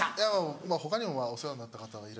まぁ他にもお世話になった方はいらっしゃるんで。